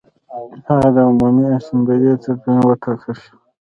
هغه د عمومي اسامبلې ټربیون وټاکل شو